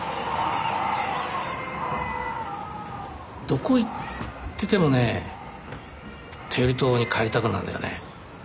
どこ行っててもね天売島に帰りたくなるんだよね。